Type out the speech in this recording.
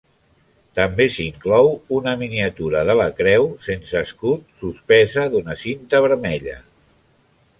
També s'inclou una miniatura de la Creu, sense escut, suspesa d'una cinta vermella.